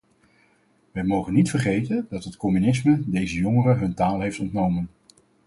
Wij mogen niet vergeten dat het communisme deze jongeren hun taal heeft ontnomen.